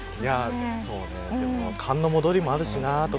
でも寒の戻りもあるしなとか。